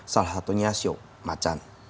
salah satunya show macan